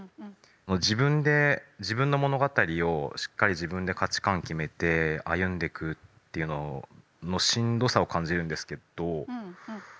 自分で自分の物語をしっかり自分で価値観決めて歩んでくっていうののしんどさを感じるんですけど。